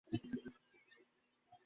দিপা লজ্জায় দুই হাতে মুখ ঢেকে ফেলল।